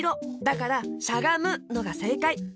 だからしゃがむのがせいかい！